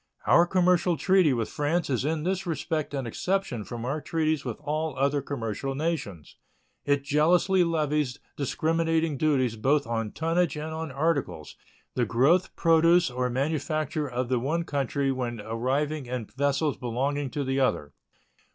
Our commercial treaty with France is in this respect an exception from our treaties with all other commercial nations. It jealously levies discriminating duties both on tonnage and on articles the growth, produce, or manufacture of the one country when arriving in vessels belonging to the other.